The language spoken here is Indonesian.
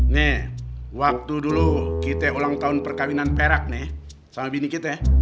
nih waktu dulu kita ulang tahun perkawinan perak nih sama bini kita ya